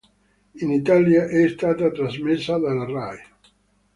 In Italia è stata trasmessa dalla Rai.